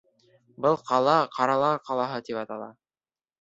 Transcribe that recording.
Был ҡала Ҡаралар ҡалаһы тип атала.